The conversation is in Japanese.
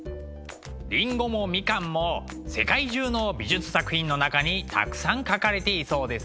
りんごもみかんも世界中の美術作品の中にたくさん描かれていそうですね。